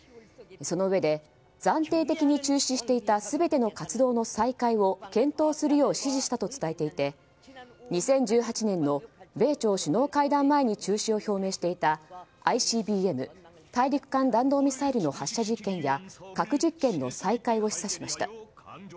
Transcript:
そのうえで暫定的に中止していた全ての活動の再開を検討するよう指示したと伝えていて２０１８年の米朝首脳会談前に中止を表明していたＩＣＢＭ・大陸間弾道ミサイルの発射実験や核実験の再開を示唆しました。